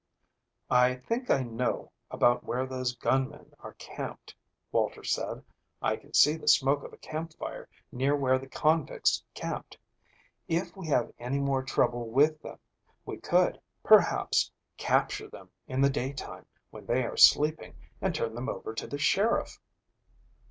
"I think I know about where those gunmen are camped," Walter said. "I can see the smoke of a campfire near where the convicts camped. If we have any more trouble with them, we could, perhaps, capture them in the daytime when they are sleeping and turn them over to the sheriff."